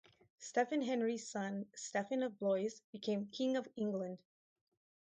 Stephen Henry's son Stephen of Blois became King of England.